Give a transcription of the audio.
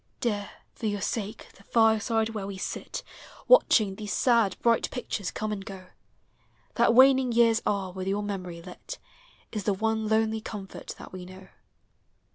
Dear for your sake the fireside where we sit Watching these sad, bright pictures come and go; That waning years are with your memory lit Is the one lonely comfort that we know.